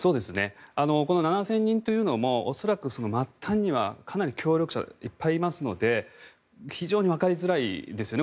この７０００人というのも恐らく、末端にはかなり協力者はいっぱいいますので非常にわかりづらいですよね。